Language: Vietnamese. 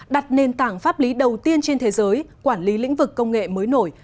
đặt nền tảng pháp lý đầu tiên trên thế giới quản lý lĩnh vực công nghệ mới nổi